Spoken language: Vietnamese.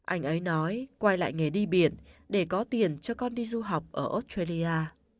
anh ấy nói quay lại nghề đi biển để có tiền cho con đi du học ở australia